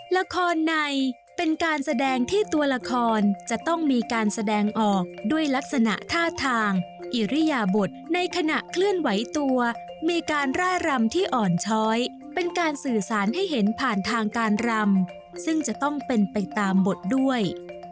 ละครในเป็นการแสดงที่ตัวละครจะต้องมีการแสดงออกด้วยลักษณะท่าทางอิริยบทในขณะเคลื่อนไหวตัวมีการร่ายรำที่อ่อนช้อยเป็นการสื่อสารให้เห็นผ่านทางการรำซึ่งจะต้องเป็นไปตามบทด้วย